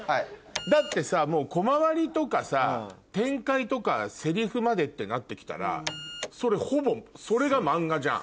だってさコマ割りとかさ展開とかセリフまでってなって来たらそれほぼそれが漫画じゃん。